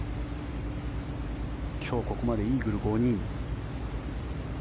今日ここまでイーグル５人。